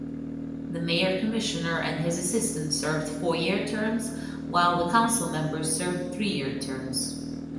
The mayor-commissioner and his assistant served four-year terms, while the councilmembers served three-year terms.